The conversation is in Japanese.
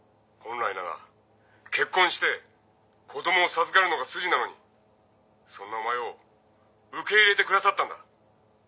本来なら結婚して子供を授かるのが筋なのにそんなお前を受け入れてくださったんだ。